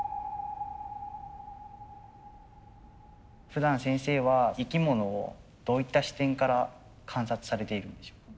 ふだん先生は生き物をどういった視点から観察されているんでしょうか？